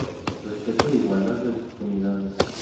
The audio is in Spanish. Respeto e igualdad de oportunidades.